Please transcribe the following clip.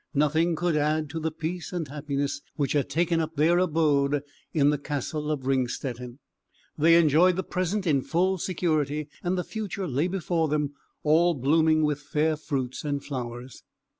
Nothing could add to the peace and happiness which had taken up their abode in the Castle of Ringstetten; they enjoyed the present in full security, and the future lay before them, all blooming with fair fruits and flowers.